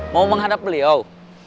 mau menghadap beliau